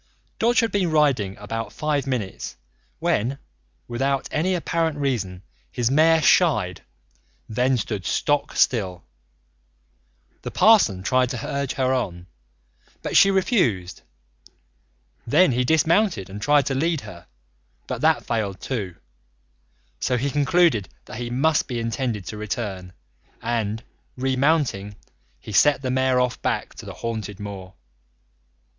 Dodge had been riding about five minutes when, without any apparent reason, his mare shied, then stood stock still. The parson tried to urge her on, but she refused; then he dismounted and tried to lead her, but that failed too. So he concluded that he must be intended to return, and, remounting, he set the mare off back to the haunted moor.